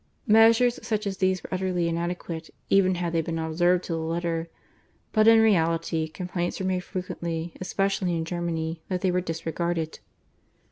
Measures such as these were utterly inadequate even had they been observed to the letter, but in reality complaints were made frequently, especially in Germany, that they were disregarded.